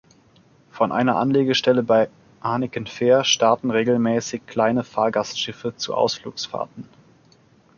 Von einer Anlegestelle bei Hanekenfähr starten regelmäßig kleine Fahrgastschiffe zu Ausflugsfahrten.